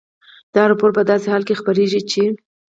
دا راپور په داسې حال کې خپرېږي چې